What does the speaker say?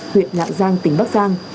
huyện lạng giang tỉnh bắc giang